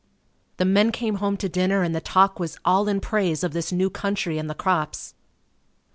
The men came home to dinner and the talk was all in praise of this new country and the crops.